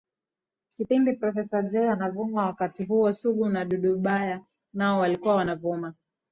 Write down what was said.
Kipindi Professa Jay anavuma wakati huo Sugu na Dudubaya nao walikuwa wanavuma